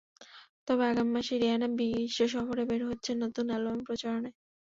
তবে আগামী মাসে রিয়ানা বিশ্ব সফরে বের হচ্ছেন নতুন অ্যালবামের প্রচারণায়।